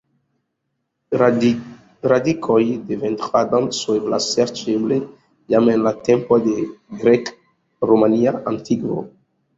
Radikoj de ventra danco eblas serĉi eble jam en la tempoj de grek-romia antikvo.